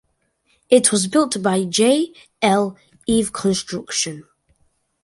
It was built by J. L. Eve Construction.